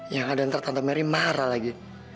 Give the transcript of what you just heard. yang ada entar tante mary marah lagi